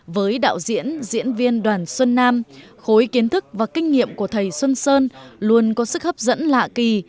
với đạo diễn diễn viên đoàn xuân nam khối kiến thức và kinh nghiệm của thầy xuân sơn luôn có sức hấp dẫn lạ kỳ